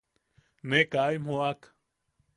Ne kaa im joʼak.